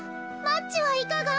マッチはいかが？」。